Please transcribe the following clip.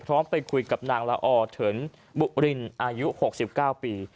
พร้อมไปคุยกับนางละออเถินบุรินอายุหกสิบเก้าปี